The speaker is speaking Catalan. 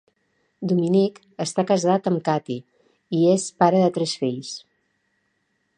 Dominic està casat amb Cathie i és pare de tres fills.